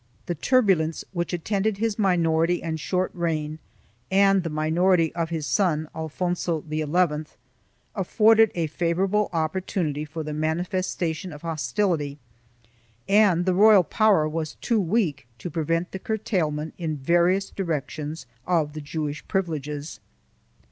The turbulence which attended his minority and short reign and the minority of his son, Alfonso XI, afforded a favorable opportunity for the manifestation of hostility and the royal power was too weak to prevent the curtailment in various directions of the • Jewish privileges.